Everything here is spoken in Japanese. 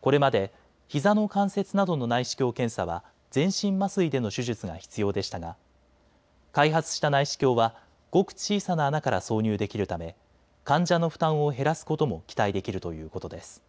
これまでひざの関節などの内視鏡検査は全身麻酔での手術が必要でしたが開発した内視鏡はごく小さな穴から挿入できるため患者の負担を減らすことも期待できるということです。